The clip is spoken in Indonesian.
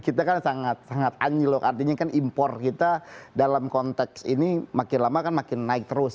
kita kan sangat sangat anjlok artinya kan impor kita dalam konteks ini makin lama kan makin naik terus